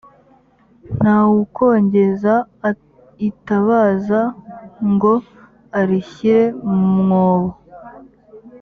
nta wukongeza itabaza ngo arishyire mu mwobo